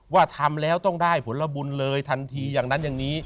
ว่าทำแล้วต้องได้ผลบุญเลยทันทีอย่างนั้นอย่างนี้